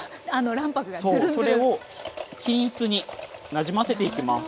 そうそれを均一になじませていきます。